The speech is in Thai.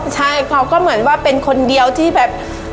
ใช่เขาก็เหมือนว่าเป็นคนเดียวที่แบบ